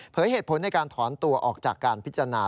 เหตุผลในการถอนตัวออกจากการพิจารณา